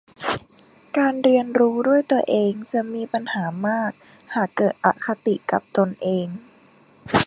การเรียนรู้ด้วยตัวเองจะมีปัญหามากหากเกิดอคติกับตนเอง